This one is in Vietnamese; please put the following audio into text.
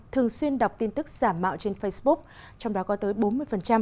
thường xuyên đọc tin tức giả mạo trên facebook trong đó có tới bốn mươi là nạn nhân hàng ngành